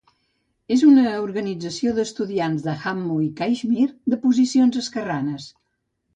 És una organització d'estudiants de Jammu i Caixmir, de posicions esquerranes.